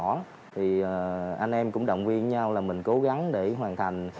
vì vậy bà con thì anh em cũng động viên nhau là mình cố gắng để hoàn thành